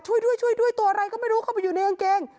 ช่วยตัวอะไรก็ไม่รู้เขาไปอยู่ในกางเกง